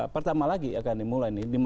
pertama lagi akan dimulai nih